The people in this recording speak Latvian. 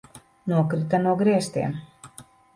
Nokrita no griestiem!